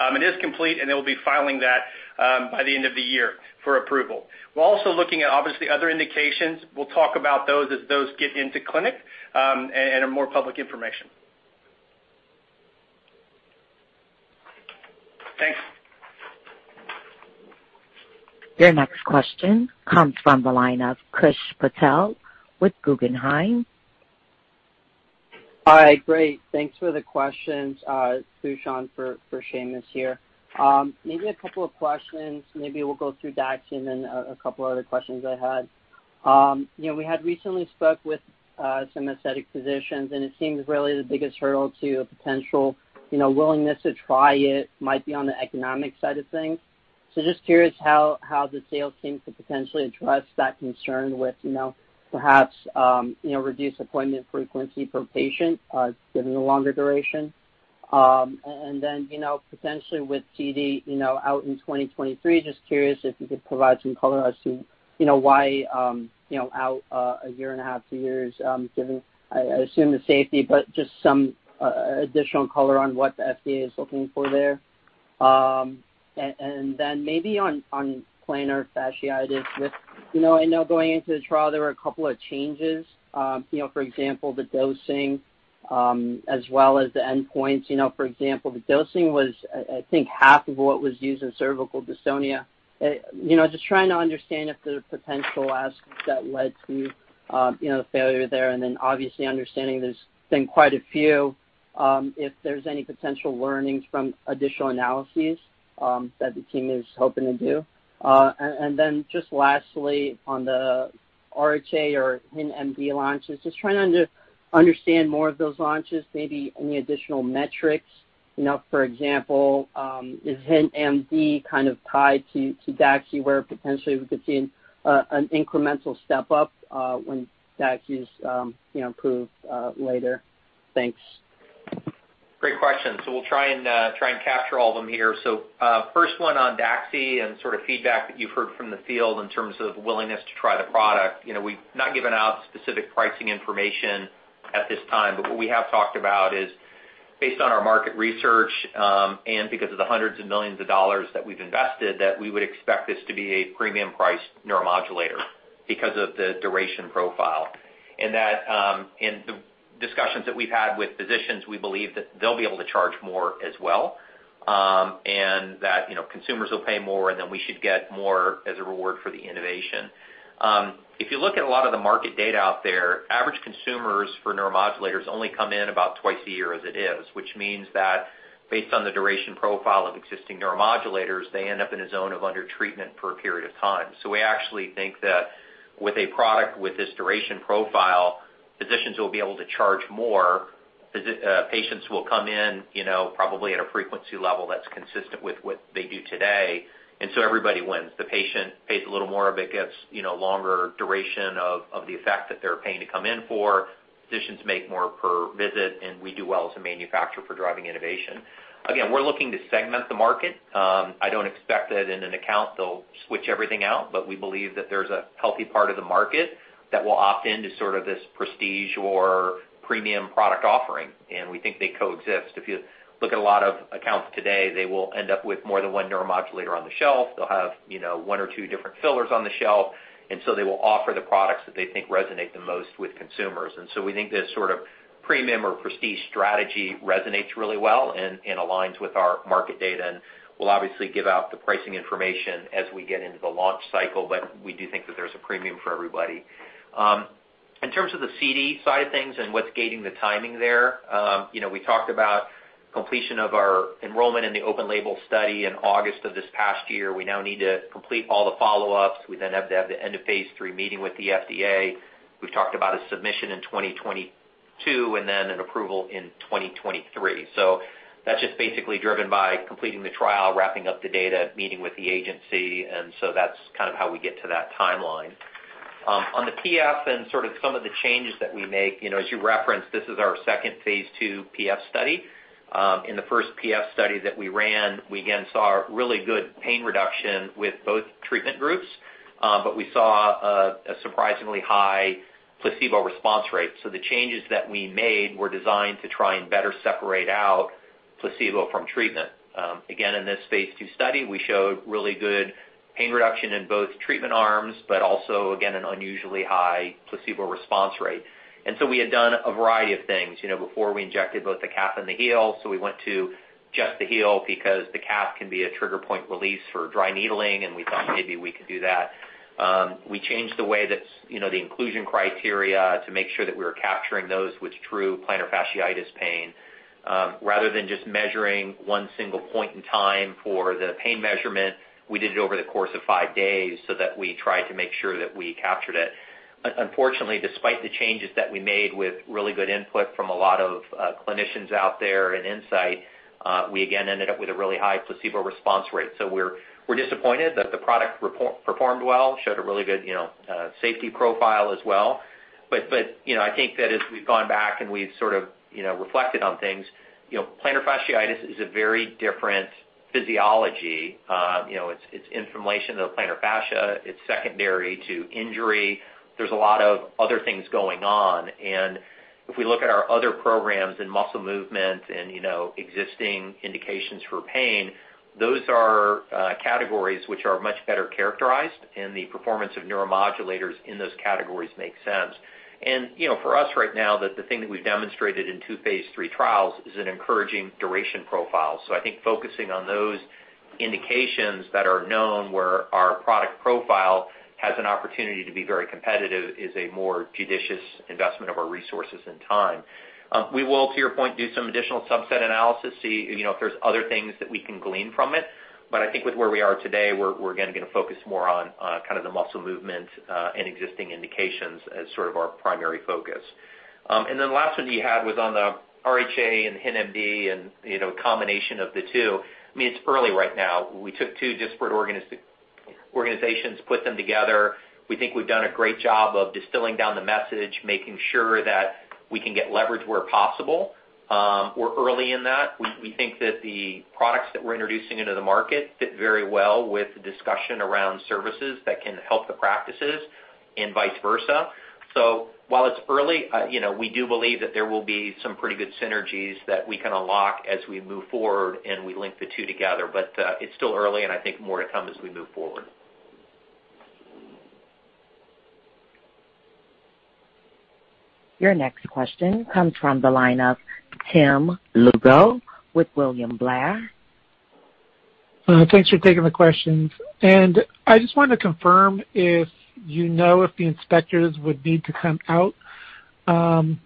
It is complete, and they'll be filing that by the end of the year for approval. We're also looking at, obviously, other indications. We'll talk about those as those get into clinic and are more public information. Thanks. Your next question comes from the line of Krish Patel with Guggenheim. Great. Thanks for the questions. It's Sushant for Seamus here. Maybe a couple of questions. Maybe we'll go through DAXI and then a couple other questions I had. We had recently spoke with some aesthetic physicians, and it seems really the biggest hurdle to a potential willingness to try it might be on the economic side of things. Just curious how the sales team could potentially address that concern with perhaps reduced appointment frequency per patient given the longer duration. Potentially with CD out in 2023, just curious if you could provide some color as to why out a year and a half, two years given, I assume the safety, but just some additional color on what the FDA is looking for there. Maybe on plantar fasciitis. I know going into the trial, there were a couple of changes. For example, the dosing as well as the endpoints. For example, the dosing was, I think, half of what was used in cervical dystonia. Just trying to understand if there are potential asks that led to failure there. Obviously understanding there's been quite a few, if there's any potential learnings from additional analyses that the team is hoping to do. Just lastly, on the RHA or HintMD launches, just trying to understand more of those launches, maybe any additional metrics. For example, is HintMD kind of tied to DAXI where potentially we could see an incremental step up when DAXI's approved later? Thanks. Great question. We'll try and capture all of them here. First one on DAXI and sort of feedback that you've heard from the field in terms of willingness to try the product. We've not given out specific pricing information at this time, but what we have talked about is based on our market research, and because of the hundreds of millions of dollars that we've invested, that we would expect this to be a premium priced neuromodulator because of the duration profile. The discussions that we've had with physicians, we believe that they'll be able to charge more as well, and that consumers will pay more, and then we should get more as a reward for the innovation. If you look at a lot of the market data out there, average consumers for neuromodulators only come in about twice a year as it is, which means that based on the duration profile of existing neuromodulators, they end up in a zone of under-treatment for a period of time. We actually think that with a product with this duration profile, physicians will be able to charge more. Patients will come in probably at a frequency level that's consistent with what they do today. Everybody wins. The patient pays a little more, but gets longer duration of the effect that they're paying to come in for. Physicians make more per visit, and we do well as a manufacturer for driving innovation. Again, we're looking to segment the market. I don't expect that in an account they'll switch everything out, but we believe that there's a healthy part of the market that will opt in to sort of this prestige or premium product offering, and we think they coexist. If you look at a lot of accounts today, they will end up with more than one neuromodulator on the shelf. They'll have one or two different fillers on the shelf, and so they will offer the products that they think resonate the most with consumers. We think this sort of premium or prestige strategy resonates really well and aligns with our market data. We'll obviously give out the pricing information as we get into the launch cycle, but we do think that there's a premium for everybody. In terms of the CD side of things and what's gating the timing there, we talked about completion of our enrollment in the open-label study in August of this past year. We now need to complete all the follow-ups. We have to have the end of phase III meeting with the FDA. We've talked about a submission in 2022 and an approval in 2023. That's just basically driven by completing the trial, wrapping up the data, meeting with the agency, that's kind of how we get to that timeline. On the PF and sort of some of the changes that we make, as you referenced, this is our second phase II PF study. In the first PF study that we ran, we again saw really good pain reduction with both treatment groups. We saw a surprisingly high placebo response rate. The changes that we made were designed to try and better separate out placebo from treatment. In this phase II study, we showed really good pain reduction in both treatment arms, but also again an unusually high placebo response rate. We had done a variety of things. Before we injected both the calf and the heel, so we went to just the heel because the calf can be a trigger point release for dry needling, and we thought maybe we could do that. We changed the inclusion criteria to make sure that we were capturing those with true plantar fasciitis pain. Rather than just measuring one single point in time for the pain measurement, we did it over the course of five days so that we tried to make sure that we captured it. Unfortunately, despite the changes that we made with really good input from a lot of clinicians out there and insight, we again ended up with a really high placebo response rate. We're disappointed that the product performed well, showed a really good safety profile as well. I think that as we've gone back and we've sort of reflected on things, plantar fasciitis is a very different physiology. It's inflammation of the plantar fascia. It's secondary to injury. There's a lot of other things going on. If we look at our other programs in muscle movement and existing indications for pain, those are categories which are much better characterized, and the performance of neuromodulators in those categories makes sense. For us right now, the thing that we've demonstrated in two phase III trials is an encouraging duration profile. I think focusing on those indications that are known, where our product profile has an opportunity to be very competitive, is a more judicious investment of our resources and time. We will, to your point, do some additional subset analysis, see if there's other things that we can glean from it. I think with where we are today, we're again going to focus more on kind of the muscle movement, and existing indications as sort of our primary focus. The last one you had was on the RHA and HintMD and a combination of the two. It's early right now. We took two disparate organizations, put them together. We think we've done a great job of distilling down the message, making sure that we can get leverage where possible. We're early in that. We think that the products that we're introducing into the market fit very well with the discussion around services that can help the practices and vice versa. While it's early, we do believe that there will be some pretty good synergies that we can unlock as we move forward, and we link the two together. It's still early, and I think more to come as we move forward. Your next question comes from the line of Tim Lugo with William Blair. Thanks for taking the questions. I just wanted to confirm if you know if the inspectors would need to come out, and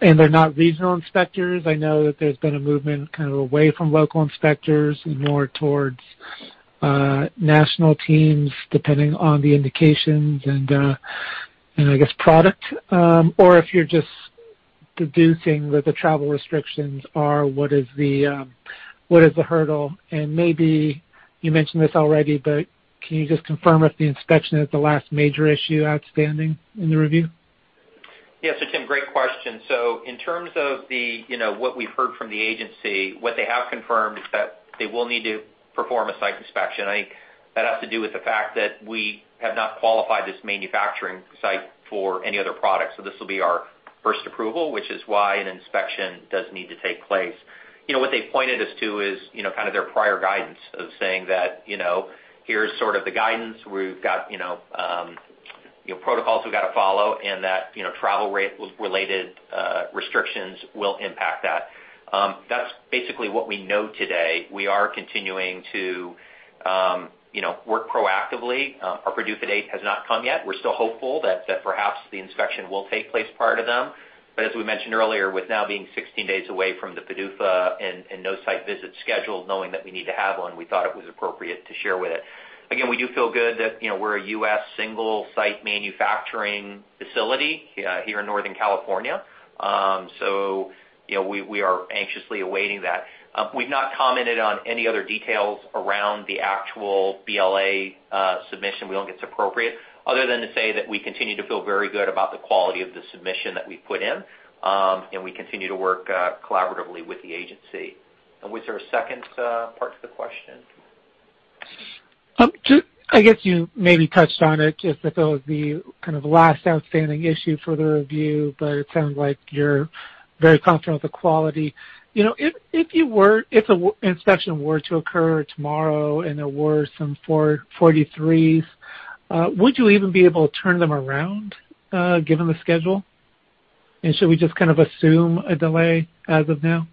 they're not regional inspectors. I know that there's been a movement kind of away from local inspectors and more towards national teams, depending on the indications and I guess product, or if you're just deducing that the travel restrictions are what is the hurdle. Maybe you mentioned this already, but can you just confirm if the inspection is the last major issue outstanding in the review? Yeah. Tim, great question. In terms of what we've heard from the FDA, what they have confirmed is that they will need to perform a site inspection. I think that has to do with the fact that we have not qualified this manufacturing site for any other product. This will be our first approval, which is why an inspection does need to take place. What they pointed us to is kind of their prior guidance of saying that, here's sort of the guidance, we've got protocols we've got to follow, and that travel-related restrictions will impact that. That's basically what we know today. We are continuing to work proactively. Our PDUFA date has not come yet. We're still hopeful that perhaps the inspection will take place prior to them. As we mentioned earlier, with now being 16 days away from the PDUFA and no site visit scheduled, knowing that we need to have one, we thought it was appropriate to share with it. Again, we do feel good that we're a U.S. single-site manufacturing facility here in Northern California. We are anxiously awaiting that. We've not commented on any other details around the actual BLA submission. We don't think it's appropriate other than to say that we continue to feel very good about the quality of the submission that we've put in, and we continue to work collaboratively with the agency. Was there a second part to the question? I guess you maybe touched on it, just if it was the kind of last outstanding issue for the review, but it sounds like you're very confident with the quality. If an inspection were to occur tomorrow and there were some 483s, would you even be able to turn them around given the schedule? Should we just kind of assume a delay as of now?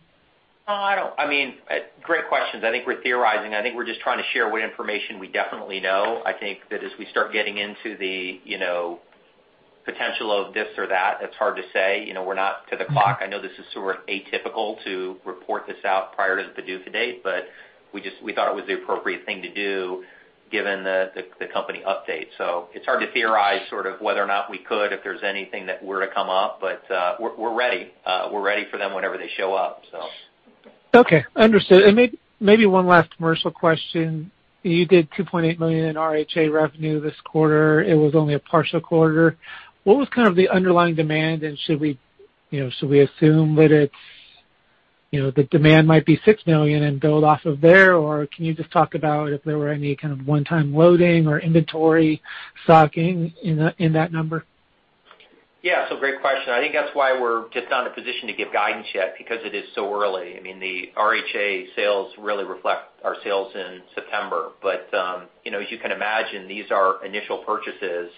Great questions. I think we're theorizing. I think we're just trying to share what information we definitely know. I think that as we start getting into the potential of this or that, it's hard to say. We're not to the clock. I know this is sort of atypical to report this out prior to the PDUFA date. We thought it was the appropriate thing to do given the company update. It's hard to theorize sort of whether or not we could, if there's anything that were to come up. We're ready for them whenever they show up. Okay. Understood. Maybe one last commercial question. You did $2.8 million in RHA revenue this quarter. It was only a partial quarter. What was kind of the underlying demand? Should we assume that the demand might be $6 million and build off of there? Can you just talk about if there were any kind of one-time loading or inventory stocking in that number? Yeah. Great question. I think that's why we're just not in a position to give guidance yet because it is so early. The RHA sales really reflect our sales in September. As you can imagine, these are initial purchases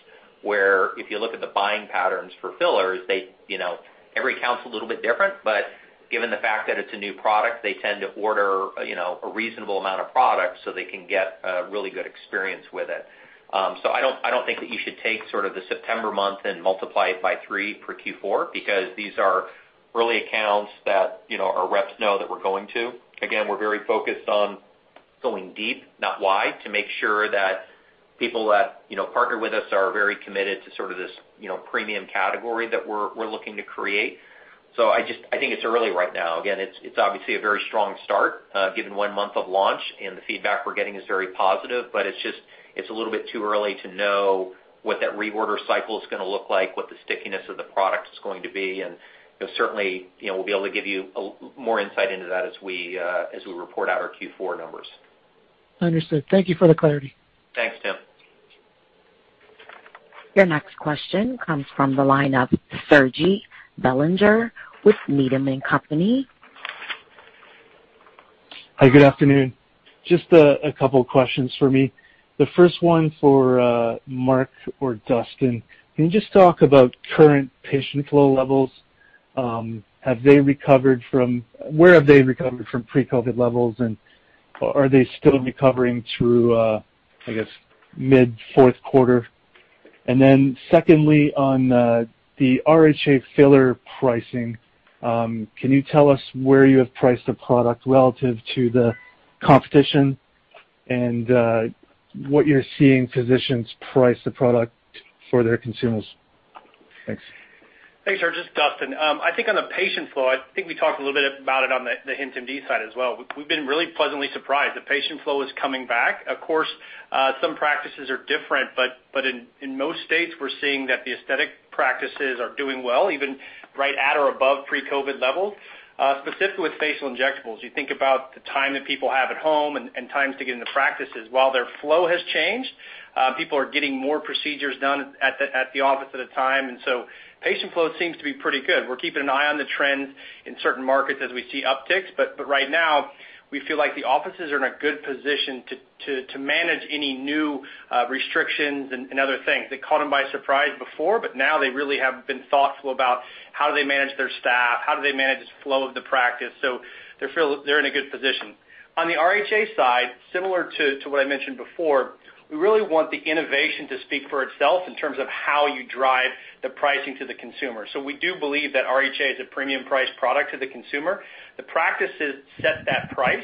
where if you look at the buying patterns for fillers, every account's a little bit different. Given the fact that it's a new product, they tend to order a reasonable amount of product so they can get a really good experience with it. I don't think that you should take sort of the September month and multiply it by three for Q4 because these are early accounts that our reps know that we're going to. Again, we're very focused on going deep, not wide, to make sure that people that partner with us are very committed to sort of this premium category that we're looking to create. I think it's early right now. Again, it's obviously a very strong start given one month of launch, and the feedback we're getting is very positive, but it's a little bit too early to know what that reorder cycle is going to look like, what the stickiness of the product is going to be, and certainly, we'll be able to give you more insight into that as we report out our Q4 numbers. Understood. Thank you for the clarity. Thanks, Tim. Your next question comes from the line of Serge Belanger with Needham & Company. Hi, good afternoon. Just a couple questions for me. The first one for Mark or Dustin. Can you just talk about current patient flow levels? Where have they recovered from pre-COVID levels, and are they still recovering through, I guess, mid-fourth quarter? Secondly, on the RHA Collection pricing, can you tell us where you have priced the product relative to the competition and what you're seeing physicians price the product for their consumers? Thanks. Thanks, Serge. It's Dustin. On the patient flow, we talked a little bit about it on the HintMD side as well. We've been really pleasantly surprised. The patient flow is coming back. Of course, some practices are different, but in most states, we're seeing that the aesthetic practices are doing well, even right at or above pre-COVID levels. Specifically with facial injectables, you think about the time that people have at home and times to get into practices. While their flow has changed, people are getting more procedures done at the office at a time, patient flow seems to be pretty good. We're keeping an eye on the trends in certain markets as we see upticks, right now, we feel like the offices are in a good position to manage any new restrictions and other things. They caught them by surprise before, now they really have been thoughtful about how do they manage their staff, how do they manage the flow of the practice. They feel they're in a good position. On the RHA side, similar to what I mentioned before, we really want the innovation to speak for itself in terms of how you drive the pricing to the consumer. We do believe that RHA is a premium priced product to the consumer. The practices set that price,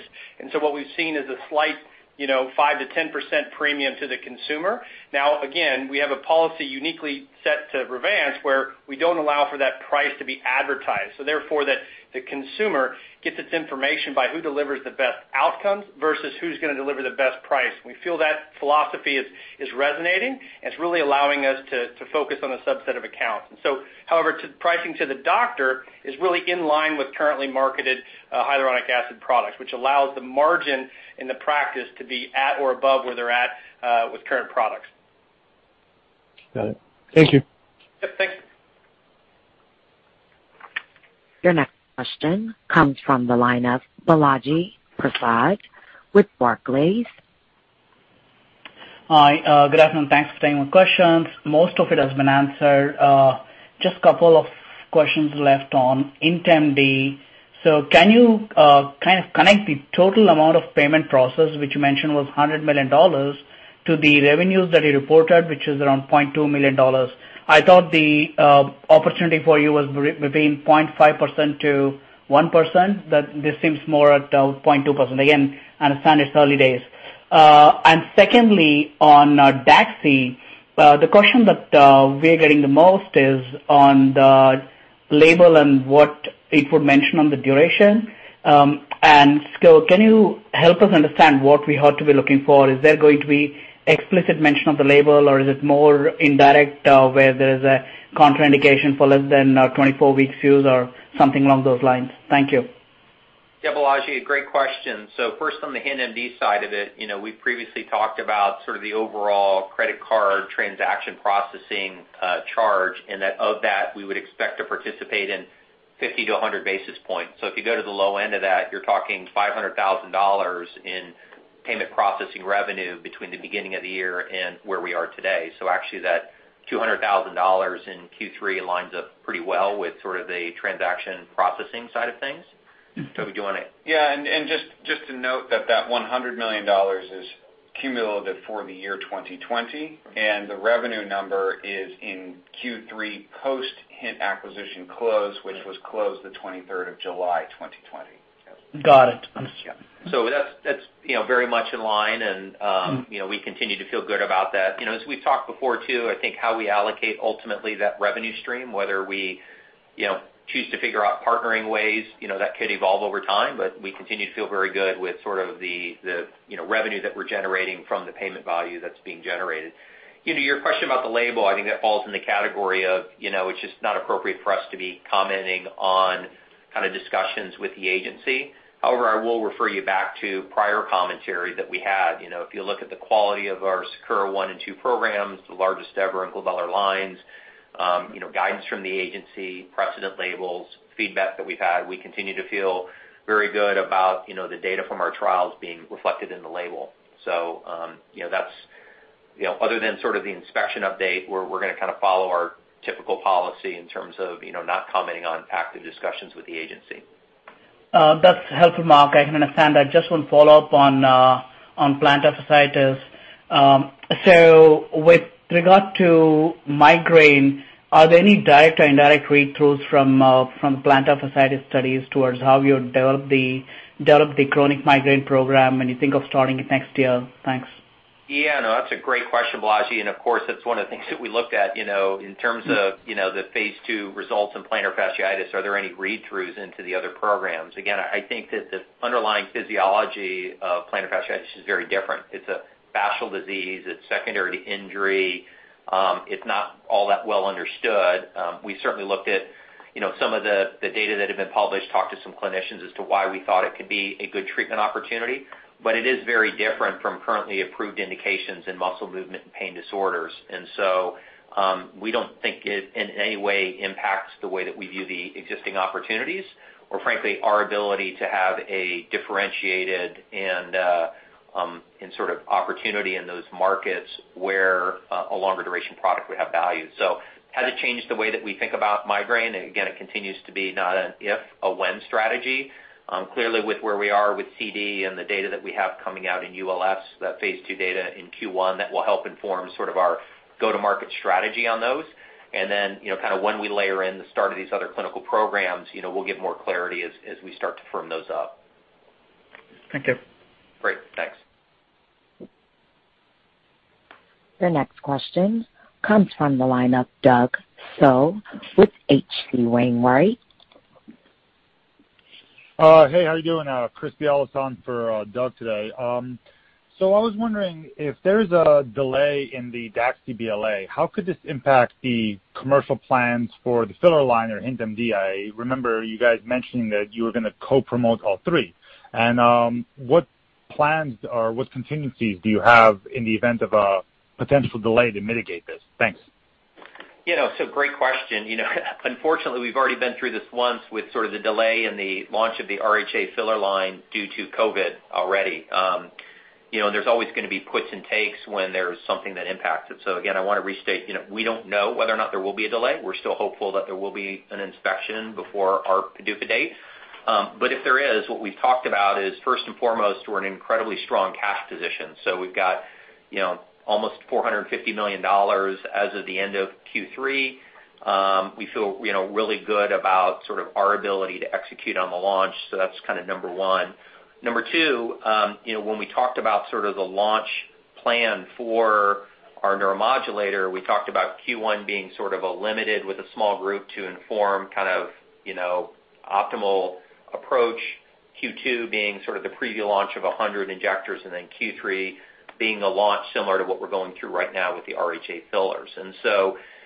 what we've seen is a slight 5%-10% premium to the consumer. Now, again, we have a policy uniquely set to Revance, where we don't allow for that price to be advertised. Therefore, the consumer gets its information by who delivers the best outcomes versus who's going to deliver the best price. We feel that philosophy is resonating, and it's really allowing us to focus on a subset of accounts. However, pricing to the doctor is really in line with currently marketed hyaluronic acid products, which allows the margin in the practice to be at or above where they're at with current products. Got it. Thank you. Yep. Thanks. Your next question comes from the line of Balaji Prasad with Barclays. Hi, good afternoon, and thanks for taking my questions. Most of it has been answered. Just a couple of questions left on HintMD. Can you kind of connect the total amount of payment process, which you mentioned was $100 million, to the revenues that you reported, which is around $0.2 million? I thought the opportunity for you was between 0.5%-1%, but this seems more at 0.2%. Again, understand it's early days. Secondly, on DAXI, the question that we're getting the most is on the label and what it would mention on the duration. Can you help us understand what we ought to be looking for? Is there going to be explicit mention of the label, or is it more indirect, where there's a contraindication for less than 24 weeks use or something along those lines? Thank you. Yeah, Balaji, a great question. First on the HintMD side of it, we previously talked about sort of the overall credit card transaction processing charge, and that of that, we would expect to participate in 50-100 basis points. If you go to the low end of that, you're talking $500,000 in payment processing revenue between the beginning of the year and where we are today. Actually that $200,000 in Q3 lines up pretty well with sort of the transaction processing side of things. Toby, do you want to- Yeah, just to note that that $100 million is cumulative for the year 2020, and the revenue number is in Q3 post Hint acquisition close, which was closed the 23rd of July 2020. Got it. That's very much in line, and we continue to feel good about that. As we've talked before too, I think how we allocate ultimately that revenue stream, whether we choose to figure out partnering ways, that could evolve over time, but we continue to feel very good with sort of the revenue that we're generating from the payment value that's being generated. Your question about the label, I think that falls in the category of it's just not appropriate for us to be commenting on kind of discussions with the agency. However, I will refer you back to prior commentary that we had. If you look at the quality of our SAKURA 1 and 2 programs, the largest ever in glabellar lines, guidance from the agency, precedent labels, feedback that we've had, we continue to feel very good about the data from our trials being reflected in the label. Other than sort of the inspection update, we're going to kind of follow our typical policy in terms of not commenting on active discussions with the agency. That's helpful, Mark. I can understand that. Just one follow-up on plantar fasciitis. With regard to migraine, are there any direct or indirect read-throughs from plantar fasciitis studies towards how you develop the chronic migraine program when you think of starting it next year? Thanks. Yeah, no, that's a great question, Balaji. Of course, that's one of the things that we looked at in terms of the phase II results in plantar fasciitis. Are there any read-throughs into the other programs? I think that the underlying physiology of plantar fasciitis is very different. It's a fascial disease. It's secondary to injury. It's not all that well understood. We certainly looked at some of the data that have been published, talked to some clinicians as to why we thought it could be a good treatment opportunity. It is very different from currently approved indications in muscle movement and pain disorders. We don't think it in any way impacts the way that we view the existing opportunities or frankly, our ability to have a differentiated and sort of opportunity in those markets where a longer duration product would have value. Has it changed the way that we think about migraine? Again, it continues to be not an if, a when strategy. Clearly with where we are with CD and the data that we have coming out in ULS, that phase II data in Q1, that will help inform sort of our go-to-market strategy on those. Kind of when we layer in the start of these other clinical programs, we'll get more clarity as we start to firm those up. Thank you. Great. Thanks. Your next question comes from the line of Doug Tsao with H.C. Wainwright. Hey, how are you doing? Chris Bialas on for Doug today. I was wondering if there's a delay in the DAXI BLA, how could this impact the commercial plans for the filler line or HintMD? I remember you guys mentioning that you were going to co-promote all three. What plans or what contingencies do you have in the event of a potential delay to mitigate this? Thanks. Great question. Unfortunately, we've already been through this once with sort of the delay in the launch of the RHA filler line due to COVID already. There's always going to be puts and takes when there's something that impacts it. Again, I want to restate, we don't know whether or not there will be a delay. We're still hopeful that there will be an inspection before our PDUFA date. If there is, what we've talked about is, first and foremost, we're in an incredibly strong cash position. We've got almost $450 million as of the end of Q3. We feel really good about sort of our ability to execute on the launch, that's kind of number one. Number two, when we talked about sort of the launch plan for our neuromodulator, we talked about Q1 being sort of a limited with a small group to inform kind of optimal approach, Q2 being sort of the preview launch of 100 injectors, then Q3 being a launch similar to what we're going through right now with the RHA fillers.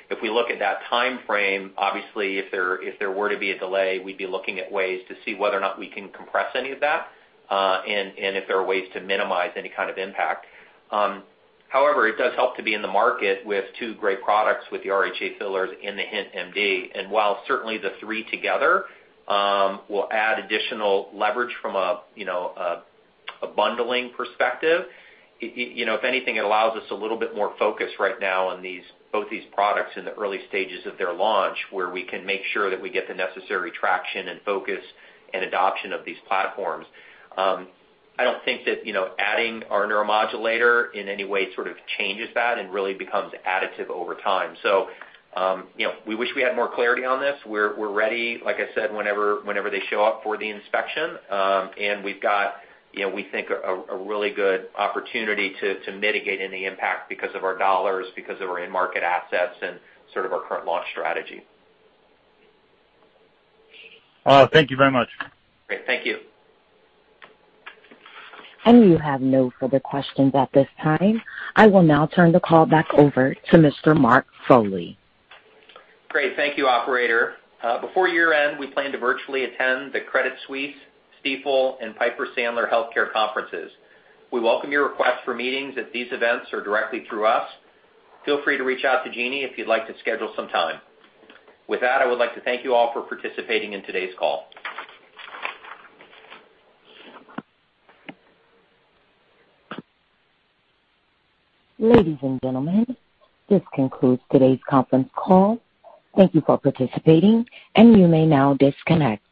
If we look at that timeframe, obviously if there were to be a delay, we'd be looking at ways to see whether or not we can compress any of that, and if there are ways to minimize any kind of impact. However, it does help to be in the market with two great products with the RHA fillers and the HintMD. While certainly the three together will add additional leverage from a bundling perspective, if anything, it allows us a little bit more focus right now on both these products in the early stages of their launch, where we can make sure that we get the necessary traction and focus and adoption of these platforms. I don't think that adding our neuromodulator in any way sort of changes that and really becomes additive over time. We wish we had more clarity on this. We're ready, like I said, whenever they show up for the inspection. We've got we think a really good opportunity to mitigate any impact because of our dollars, because of our in-market assets and sort of our current launch strategy. Thank you very much. Great. Thank you. You have no further questions at this time. I will now turn the call back over to Mr. Mark Foley. Great. Thank you, operator. Before year-end, we plan to virtually attend the Credit Suisse, Stifel, and Piper Sandler healthcare conferences. We welcome your request for meetings at these events or directly through us. Feel free to reach out to Jeanie if you'd like to schedule some time. With that, I would like to thank you all for participating in today's call. Ladies and gentlemen, this concludes today's conference call. Thank you for participating, and you may now disconnect.